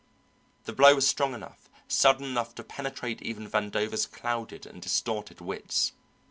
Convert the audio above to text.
The blow was strong enough, sudden enough to penetrate even Vandover's clouded and distorted wits.